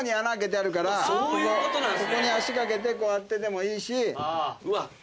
ここに足掛けてこうやってでもいいし。